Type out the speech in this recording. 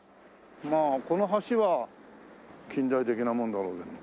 まあこの橋は近代的なものだろうけども。